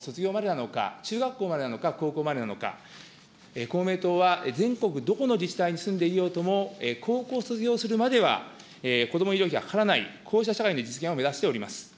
住んでいる市区町村によって、子ども医療費がいつまでただなのか、ばらばら、小学校卒業までなのか、中学校までなのか、高校までなのか、公明党は全国どこの自治体に住んでいようとも、高校卒業するまでは、子ども医療費がかからない、こうした社会の実現を目指しております。